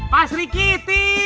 pak sri kiti